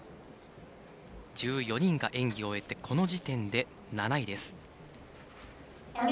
１４人が演技を終えてこの時点で、７位です。